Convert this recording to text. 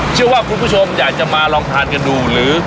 เชื่อว่าคุณผู้ชมอยากจะมาลองทานกันดูหรือ